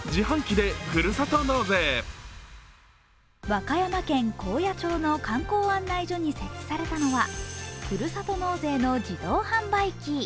和歌山県高野町の観光案内所に設置されたのはふるさと納税の自動販売機。